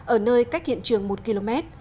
ở nơi cách hiện trường một km